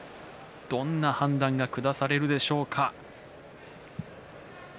どんな判断が下されるでしょうか。